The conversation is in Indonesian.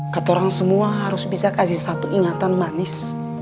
kata orang semua harus bisa kasih satu ingatan manis